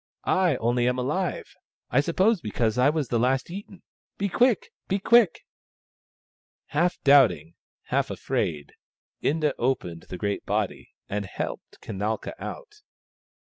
I only am alive, I sup pose because I was the last eaten. Be quick ! be quick !" Half doubting, half afraid, Inda opened the great body, and helped Kanalka out.